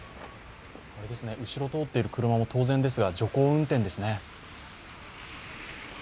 後ろ、通ってる車も当然ですが、徐行運転ですね。